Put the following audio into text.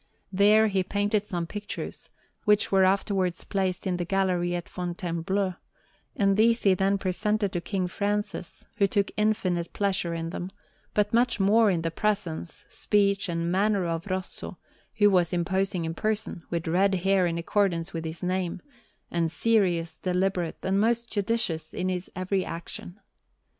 There he painted some pictures, which were afterwards placed in the Gallery at Fontainebleau; and these he then presented to King Francis, who took infinite pleasure in them, but much more in the presence, speech, and manner of Rosso, who was imposing in person, with red hair in accordance with his name, and serious, deliberate, and most judicious in his every action.